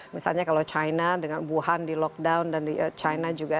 misalnya kalau china dengan wuhan di lockdown dan di china juga